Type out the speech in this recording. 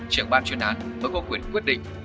trưởng ban chuyên án với công quyền quyết định